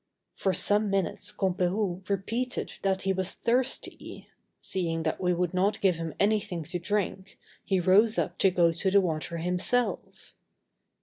For some minutes Comperou repeated that he was thirsty; seeing that we would not give him anything to drink, he rose up to go to the water himself.